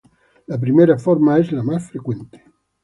La primera forma es la más frecuente.